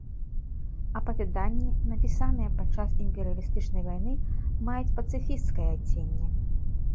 Апавяданні, напісаныя падчас імперыялістычнай вайны, маюць пацыфісцкае адценне.